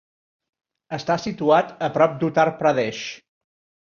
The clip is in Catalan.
Està situat a prop d'Uttar Pradesh.